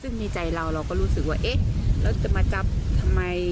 ซึ่งในใจเราเราก็รู้สึกว่าเอ๊ะแล้วจะมาจับทำไม